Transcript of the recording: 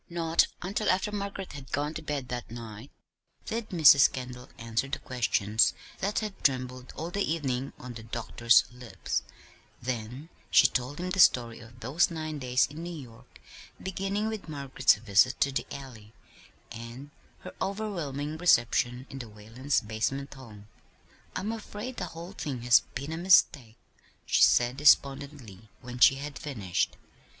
Not until after Margaret had gone to bed that night did Mrs. Kendall answer the questions that had trembled all the evening on the doctor's lips; then she told him the story of those nine days in New York, beginning with Margaret's visit to the Alley, and her overwhelming "reception" in the Whalens' basement home. "I'm afraid the whole thing has been a mistake," she said despondently, when she had finished.